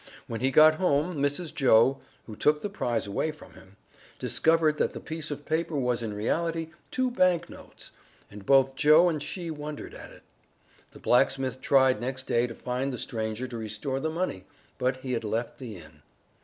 When he got home Mrs. Joe (who took the prize away from him) discovered that the piece of paper was in reality two bank notes, and both Joe and she wondered at it. The blacksmith tried next day to find the stranger to restore the money, but he had left the inn.